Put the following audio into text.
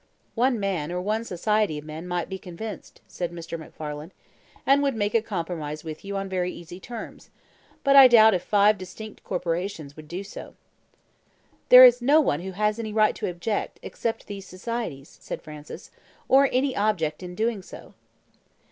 "One man, or one society of men, might be convinced," said Mr. MacFarlane, "and would make a compromise with you on very easy terms; but I doubt if five distinct corporations would do so." "There is no one who has any right to object, except these societies," said Francis, "or any object in doing so."